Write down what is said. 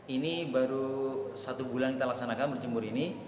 ini baru satu bulan kita laksanakan berjemur ini